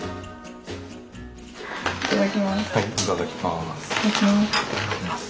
いただきます。